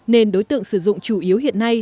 nên đối tượng sử dụng chủ yếu hiện nay